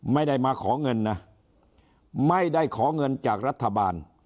ไม่ได้มาขอเงินนะไม่ได้ขอเงินจากรัฐบาล